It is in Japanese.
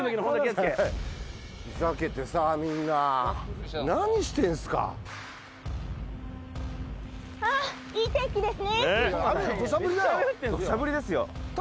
ふざけてさみんな何してんすかああ土砂降りですよ頭